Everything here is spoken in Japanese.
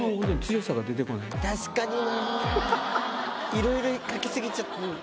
いろいろ描き過ぎちゃった。